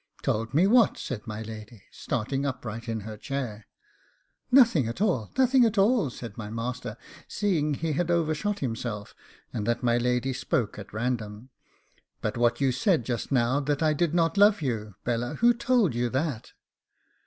'Told me what?' said my lady, starting upright in her chair. 'Nothing at all, nothing at all,' said my master, seeing he had overshot himself, and that my lady spoke at random; 'but what you said just now, that I did not love you, Bella; who told you that?